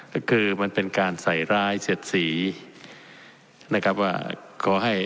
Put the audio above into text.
ก็คือมันเป็นการใส่ร้ายเสียดสีนะครับว่าขอให้